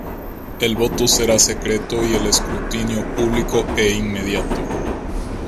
El voto será secreto y el escrutinio público e inmediato.